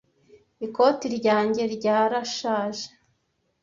Ikoti ryanjye ryarashaje.